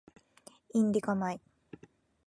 インディカ米